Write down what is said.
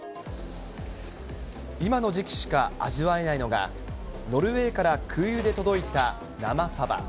今の時期しか味わえないのが、ノルウェーから空輸で届いた生サバ。